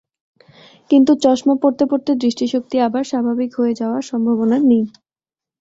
কিন্তু চশমা পরতে পরতে দৃষ্টিশক্তি আবার স্বাভাবিক হয়ে যাওয়ার সম্ভাবনা নেই।